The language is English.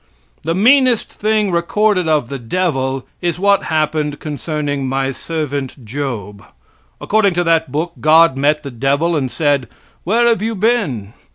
The meanest thing recorded of the devil is what happened concerning my servant Job. According to that book God met the devil and said: "Where have you been?"